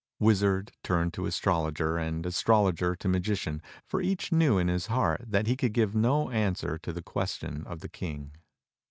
Wizard turned to astrologer, and astrologer to magician, for each knew in his heart that he could give no answer to the question of the King.